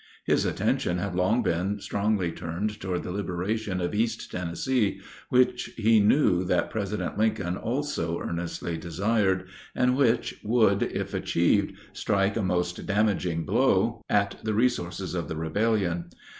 His attention had long been strongly turned toward the liberation of east Tennessee, which he knew that President Lincoln also earnestly desired, and which would, if achieved, strike a most damaging blow at the resources of the rebellion.